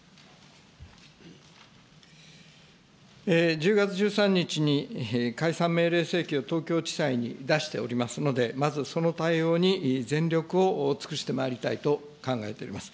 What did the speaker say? １０月１３日に、解散命令請求を東京地裁に出しておりますので、まずその対応に全力を尽くしてまいりたいと考えております。